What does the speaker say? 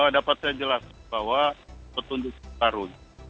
dapat saya jelas bahwa petunjuk terbaru